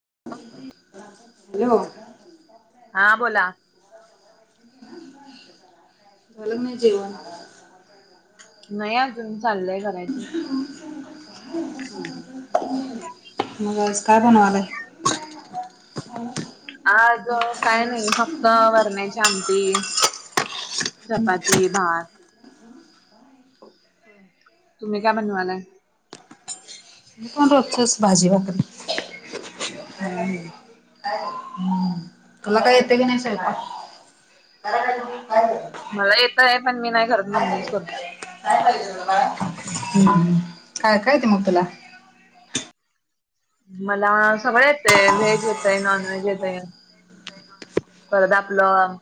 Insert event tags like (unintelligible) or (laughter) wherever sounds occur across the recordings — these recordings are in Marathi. (unintelligible) हॅलो. हा बोला. झाल नाही जेवण? नाही अजून चालय करायच. मग आज काय बनवालंय? आज काय नाही फक्त वरण्याची आमटी, चपाती, भात तुम्ही काय बनवालाय? कस हाय रोजचच भाजी भाकरी. हम हम. हम्म. तुला काही येतं की नाही स्वयंपाक? मला येतंय. पण मी नाही करत मम्मीच करत्या. कराय पाहिजे जरा. हम्म. काय काय येतय मग तूला? मला सगळं येतय. व्हेज येतय. नॉन व्हेज येतय. परत आपलं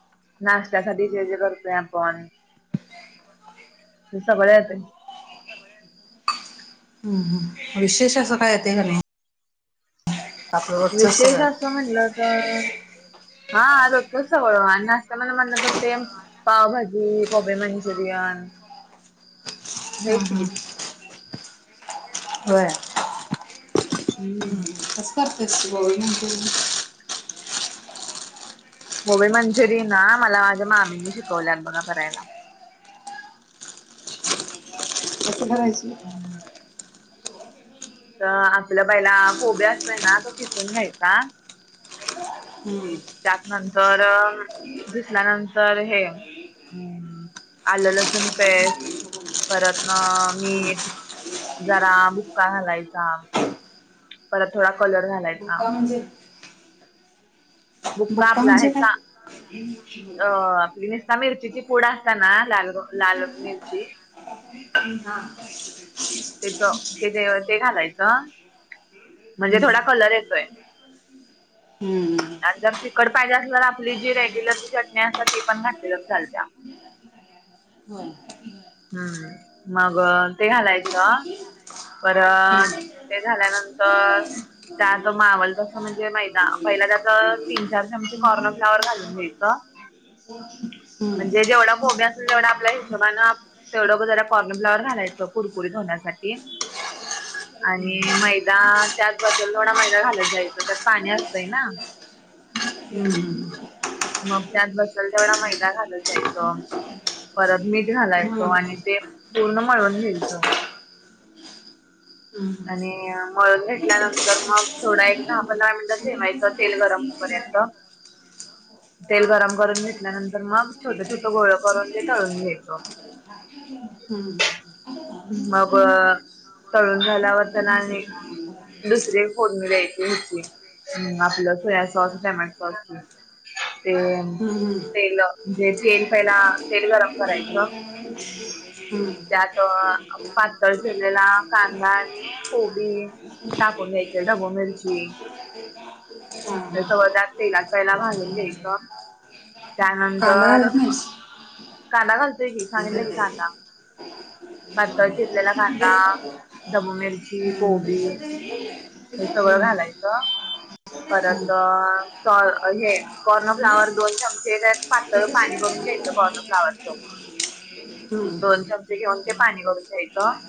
नाश्त्यासाठी जे जे करतोय आपण. ते सगळ येतंय. हम हम. विशेष असं काय येतय काय नाही? आपलं रोजचंच विशेष सगळं. असं म्हटलं तर हा रोजचच सगळं आणि नाष्ट्यामध्ये म्हणल तर ते. पावभाजी, कोबेमंचुरियन हा हेच हा. की. होय. हम्म. तू खातीस कोबी मंचूरियन? कोबी मंचुरियन ना मला माझ्या मामींनी शिकवल्यात बघा करायला. कस करायची? तर आपल पाहिला कोबी असतोय ना तो खिसून घ्यायचा हम्म. त्यातनंतर घिसल्यानंतर हे आलं- लसूण पेस्ट परत न मीठ जरा बुक्का घालायचा. परत थोडा कलर घालाय बुका म्हणजे? बुका बुक्का आपला म्हणजे काय? हेचा अ आपली त्या मिरचीची पुड असत्या ना लाल- लाल मिरची हम्म हा. तेचं तेजे ते घालायचं म्हणजे थोडा हम्म. कलर येतोय. (unintelligible) आणि जर तिकट पाहिजे असल ना आपली जी रेग्युलरची चटणी असत्या ती पण घातली तर चालत्या. होय. हम्म, मग ते घालायचं. परत हम्म. ते झाल्यानंतर त्यात मावल तसं म्हणजे मैदा पहिला त्यात तीन - चार चमचे कॉर्नफ्लाॅवर घालून घ्यायचं. हम्म म्हणजे जेवढा कोबी असल तेवढा आपल्या हिशोबानं तेवढं ग जरा काॅर्नफ्लाॅवर घालायचं कुरकुरीत होण्यासाठी. आणि मैदा त्यात बसल तेवडा मैदा घालत जायचा त्यात पाणी असतंय ना हम्म मग त्यात बसल तेवढा मैदा घालत जायचं. परत मीठ घालायचो आणि ते पूर्ण मळून घ्यायचं. आणि मळून घेेतल्यानंतर मग थोडा एक दहा- पंधरा मिनटं ठेवायचं तेल गरम होपर्यंत (unintelligible) तेल गरम करून घेतल्यानंतर मग छोट- छोट गोळ करून ते तळून घ्यायचं. हम्म -हम्म मग तळून झाल्यावर तेला आणि दुसरी एक फोडणी द्यायची हेची, अम् आपलं सोयासॉस, टमाॅटोसॉसची. ते तेलं, म्हणजे तेल पहिला तेल गरम करायचं त्यात पातळ चिरलेला कांदा आणि कोबी टाकून घ्यायच ढबू मिरची हे सगळं त्या तेलात पहिला भाजून घ्यायचं त्यानंतर घालत नाहीस कांदा घालतोय की सांगितलं की कांदा. पातळ चिरलेला कांदा, ढबू मिरची, कोबी हे सगळं घालायचं. परत... सॉ- हे कॉर्नफ्लाॅवर दोन चमचे त्यात पातळ पाणी करून घ्यायचं कॉर्नफ्लाॅवरचं दोन चमचे घेऊन ते पाणी करून घ्यायचं.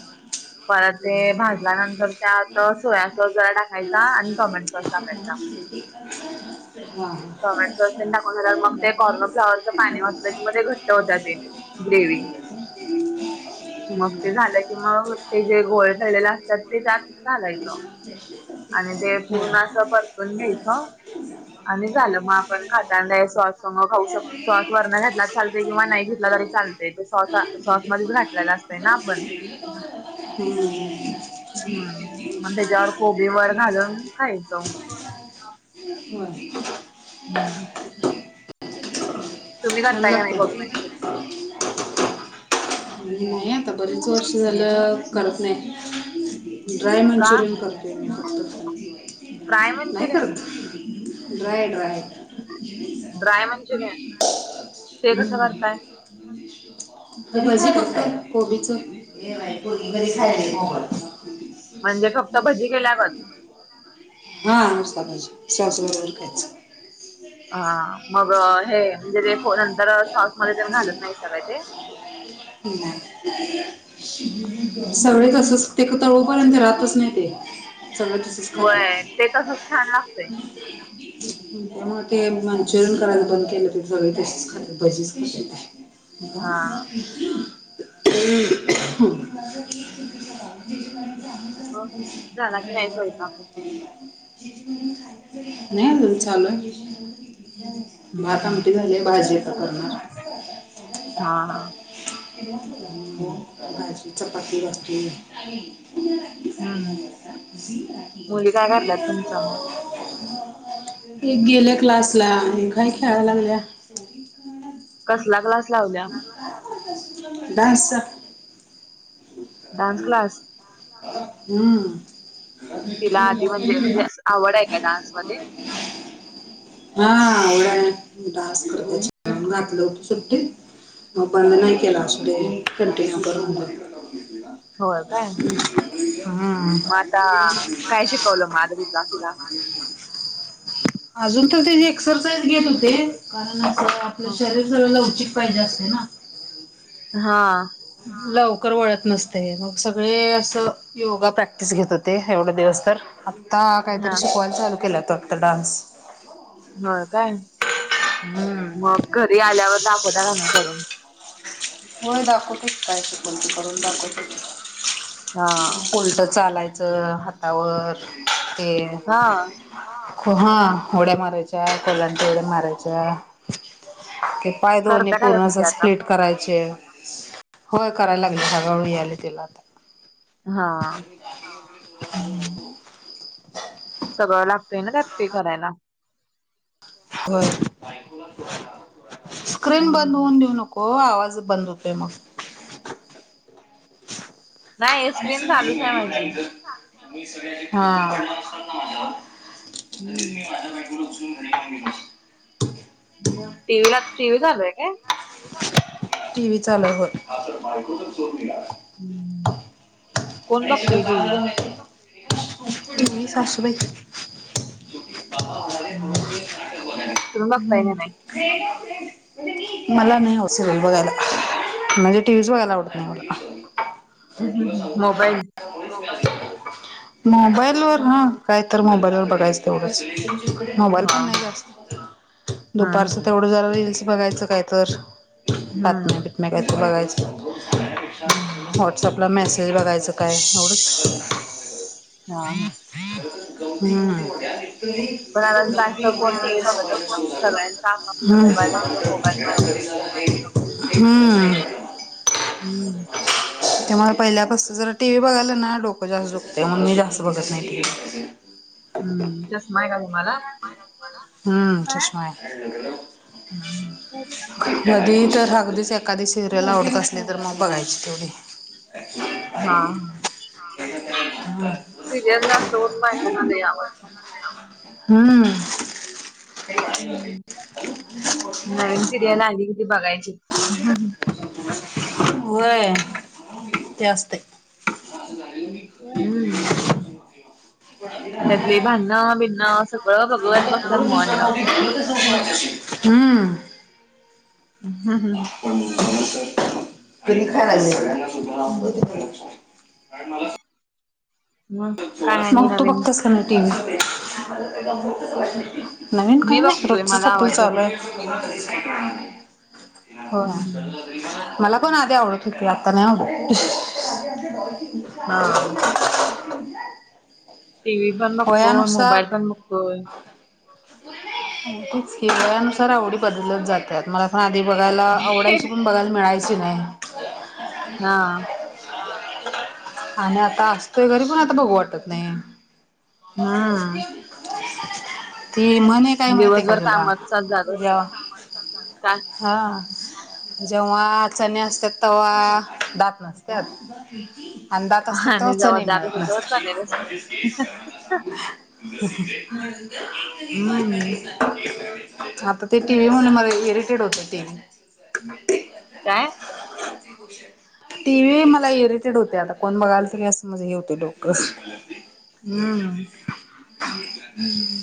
परत ते भाजल्यानंतर त्यात सोया सॉस जरा टाकायचा आणि टोमॅटोसाॅस टाकायचा. (unintelligible) हा. टोमॅटोसाॅस तेन टाकून झाल्यावर मग ते काॅर्नफ्लावरच पाणी ओतलं कि मग ते घट्ट होत जातंय ग्रेवी मग ते झालं कि मग ते जे गोळ ठेवलेलं असत्यात ते त्यात घालायचं. (inaudible) आणि ते पूर्ण असं परतून घ्यायचं. आणि झालं मं आपण खाताना हे सॉस समत खाऊ शकतो. सॉस वरनं घातला चालतंय, किंवा नाही घेतला तरी चालतंय, ते सॉस- सॉस मध्येच घातलेला असतंय ना आपण. हम्म! हम्म, मग त्याच्यावर कोबी वर घालून खायचं. (unintelligible) हम्म. तुम्ही छान करताय का नाही लागते कोबी मन्चुरी? नाही आता बरे च वर्षं झालं करत नाही, ड्राय का मंचुरियन कर फ्राय नाही मंचुरियन करत? Dry dry. ड्राय मंचुरियन ते कसं (inaudible) करताय (unintelligible) फक्त कोबीचं? ये बाई कोबीमध्ये सॅलड म्हणजे फक्त भजी केल्यागत. हा नुसता भजी सॉस बरोबर खायचं. हा मग हे म्हणजे जे पोरं नंतर सॉस मध्ये घालत नाही सा का ते. नाय. सगळे तसंच ते का तळूपर्यंत राहतच नाही ते सगळं तस तसेच खातात. होय ते तसंच छान लागतय. (inaudible) त्यामुळ ते मंचुरियन करायचं बंद केलं, ते सगळे तशीच खाता भजीच खात्यात. हा (inaudible) (unintelligible) मं झाला की नाही सोयपाक? नाही अजून चालू हाय. हम्म भात हम्म आमटी झालीये, भाजी आता करणार. हा हा भाजी, चपाती, भाकरी. (unintelligible) हम्म मुली काय करल्यात तुमच्या मग एक गेल्या क्लासला एक आहे खेळायला लागल्या. (inaudible) कसला क्लास? लावल्या डान्सचा. Dance class. हम्म. तिला आधी म्हणजे म्हणजे असं आवड आहे का डान्समध्ये? (inaudible) हा आवड आहे, डान्स क्लासला घातलं होतं सुट्टीत. मं बंद नाही केला, असू दे कंटिन्यू कर म्हटलं. (inaudible) होय काय, हा मं आता काय शिकवलं (unintelligible) तिला अजून तर ते एक्सरसाईज घेत होते. कारण असं शरीर जरा लवचिक पाहिजे असते ना. हा. लवकर वळत नसतयं, मग सगळे असं योगा प्रॅक्टिस घेत होते एवढे दिवस तर. आत्ता हा काहीतरी शिकवायला चालू केला होता वाटतं डान्स. हो काय, हम्म मग घरी आल्यावर दाखवता का नाही करून? होय दाखवतो की काय शिकवल ती करून दाखवतो. हा उलटं चालायचं हातावर तेण. हा हा ऊड्या मारायच्या कोलांटी ऊड्या मारायच्या पाय दोणी करता का पूर्ण तसं ते असं आता स्ट्रेट करायचे होय करायला लागले हम्म हळूहळू यायलय तिला आता. हा. (inaudible) सगळं लागतंय ना त्यात ते करायला? होय, स्क्रीन बंद हम्म होऊन देऊ नको. हो आवाज बंद होतोय मग. नाही स्क्रीन चालूच आहे माझी (inaudible) हा. हम्म (inaudible) टीव्हीला टीव्ही चालूय काय? टीव्ही चालूय होय. (inaudible) कोण बघतय टीव्ही टीव्ही सासूबाई हम्म तूम्ही बघताय हम्म. का नाय? (inaudible) मला नाही हऊस सिरियल बघायला म्हणजे टीव्हीच बघायला आवडत नाही मला. मोबाईल मोबाईल वर हा काय तर मोबाईल वर बघायचं तेवढंच. मोबाईल हा पण नाही जास्त हा दुपारचं हा तेवढं जरा रील्स बघायचं काय तर. हा बातम्या बितम्या काय तर बघायच हा व्हॉट्सअपला मेसेज बघायच काय एवढंच हा हा पण आता जास्त कोण टीव्ही बघतच नाही सगळ्यांचा आपापला हम्म. मोबाईल हम्म. (unintelligible) हम्म. हम्म. त्यामुळे पहिल्यापासून जर टी व्ही बघायलं ना डोकं जास्त दुखतंय म्हणून मी जास्त बघत नाही टीव्ही. हम्म चष्माय का तुम्हाला? हम्म चष्माय हा. कधी तर अगदीच एक एखादी सिरियल आवडत असली तर मग बघायची तेवढी. हा. सिरियल जास्त करून बायकांना लई आवडतीया. हम्म. हम्म नवीन सिरियल आली कि ती बघायचीच. व्हंय ते असतंय. हम्. त्यातले भांडणं बिणणं सगळं बघत बसतात मन लावून. (unintelligible) हम्म. (unintelligible) (unintelligible) मग काय आणि मग तू नवीन बघतोस का नाही टी व्ही? नवीन काय मी नाही, बघतोय रोजचंच मला आपल आवडत्या टीव्ही चालूय. बघायला. होय. हम्म. मला कोण आधी आवडत होती, आत्ता नाही आवडत. (unintelligible) हा. (unintelligible) टी व्ही पण बघतोय, वयानुसार मोबाईल पण बघतोय. तेच की, वयानुसार आवडी बदलल्या जात्यात. मला पण आधी बघायला आवडायची, पण बघायला मिळायची नाही. हा. आणि आता असतोय घरी, पण आता बघू वाटत नाही. हम्म. ती म्हणे ती काय ते माहितीय का दिवसभर तुला? कामाचाच जाग असेल काय हा, जेव्हा चणे असतात, तेव्हा दात नसत्यात आणि दात असतेत तवा आणि जेव्हा चणे जागत मिळत होत तेव्हा चालेल असत नसते (inaudible) हम्म आता ते टी व्ही म्हणून मला इरिटेड होत टी व्ही.. काय (inaudible) टी व्ही मला इरेटेड होतय. आता कोण बघायल, तरी असं म्हणजे हे होतय डोकं हम्म. (inaudible)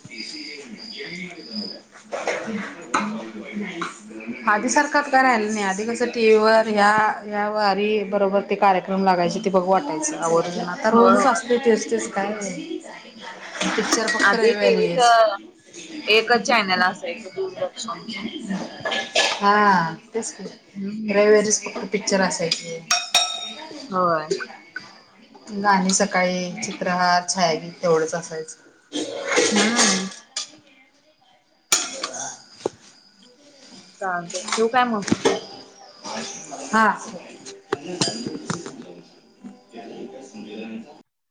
(inaudible) (inaudible) (inaudible) आधी सारखाच आता काय राहिला नाही. आधी कसं, टी व्ही वर या या वारी बरोबर ते कार्यक्रम लागायचे, ते बघू वाटायचे. आवर्जून आता होय रोजच होय असते, तेच तेच काय टी व्हीच रविवारीच एकच चॅनल असायचं, दूरदर्शन. हा तेच की, हम्म रविवारीच पिक्चर असायचे होय. गाणे सकाळी, चित्रहार, छायागीत तेवढंच असायचं. हम्म. चालतय, ठेवू काय मग? हा.